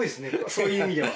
そういう意味では。